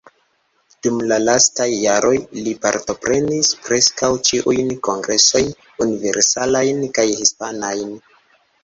Dum la lastaj jaroj li partoprenis preskaŭ ĉiujn kongresojn universalajn kaj hispanajn.